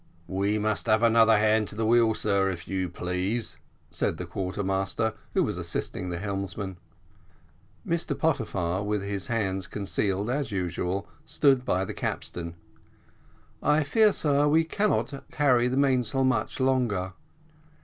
"We must have another hand to the wheel, sir, if you please," said the quarter master, who was assisting the helmsman. Mr Pottyfar, with his hands concealed as usual, stood by the capstern. "I fear, sir, we cannot carry the mainsail much longer."